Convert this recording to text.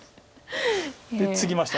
でツギました。